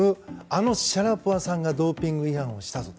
あのシャラポワさんがドーピング違反をしたと。